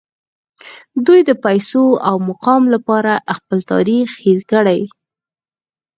دوی د پیسو او مقام لپاره خپل تاریخ هیر کړی